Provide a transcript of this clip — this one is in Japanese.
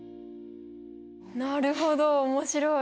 なるほど面白い。